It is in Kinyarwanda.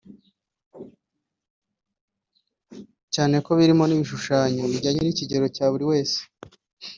cyane ko birimo n’ibishushanyo bijyanye n’ikigero cya buri wese